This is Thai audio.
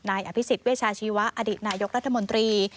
นายอภิษฎเวชาชีวะอดีตนายกรัฐมนตรี